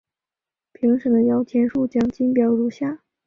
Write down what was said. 评审的摇钱树奖金表如下表。